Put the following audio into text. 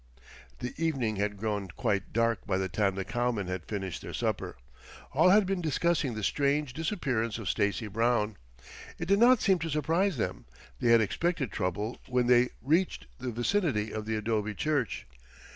The evening had grown quite dark by the time the cowmen had finished their supper. All had been discussing the strange disappearance of Stacy Brown. It did not seem to surprise them. They had expected trouble when they reached the vicinity of the adobe church.